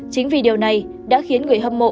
chính vì điều này đã khiến người hâm mộ